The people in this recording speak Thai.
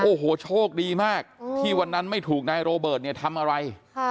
โอ้โหโชคดีมากที่วันนั้นไม่ถูกนายโรเบิร์ตเนี่ยทำอะไร